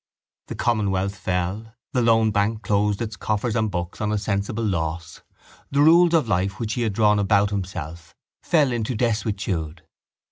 The commonwealth fell, the loan bank closed its coffers and its books on a sensible loss, the rules of life which he had drawn about himself fell into desuetude.